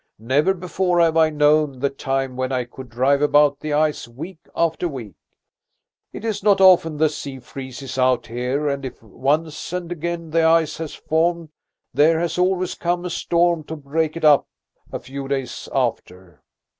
Never before have I known the time when I could drive about the ice week after week. It is not often the sea freezes out here, and if once and again the ice has formed, there has always come a storm to break it up a few days after."